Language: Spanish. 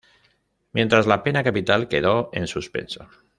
Mientras, la pena capital quedó en suspenso.